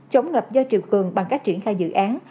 chống ngập do triều cường bằng cách triển khai dự án